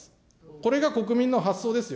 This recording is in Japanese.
これが国民の発想ですよ。